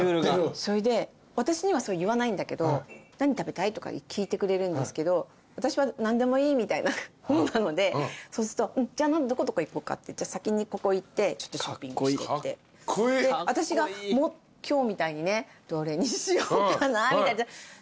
それで私にはそれ言わないんだけど「何食べたい？」とか聞いてくれるんですけど私は何でもいいみたいな方なのでそうすると「うんじゃあどこどこ行こうか」って先にここ行ってちょっとショッピングしてってで私が今日みたいにねどれにしようかな。